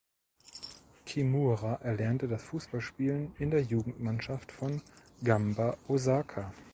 Kimura erlernte das Fußballspielen in der Jugendmannschaft von Gamba Osaka.